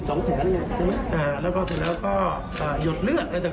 ถึงเสร็จแล้วก็หยดเลือดอะไรต่าง